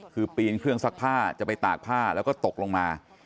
คือปีนเครื่องซักผ้าจะไปตากผ้าแล้วก็ตกลงมา